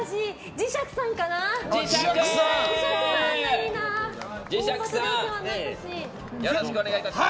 磁石さんよろしくお願いします。